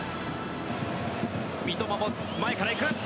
三笘も前から行く。